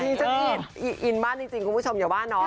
ฉันผิดอินมากจริงคุณผู้ชมอย่าว่าน้อง